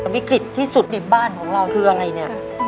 วิกฤตที่สุดในบ้านของเราคืออะไรเนี่ย